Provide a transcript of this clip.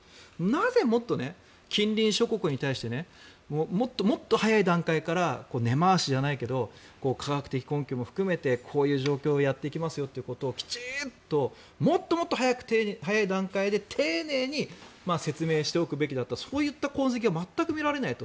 なぜ、もっと近隣諸国に対してもっと早い段階から根回しじゃないけど科学的根拠も含めてこういう状況をやっていきますよということをきちんともっと早い段階で丁寧に説明しておくべきだったしそういった痕跡が全く見られないと。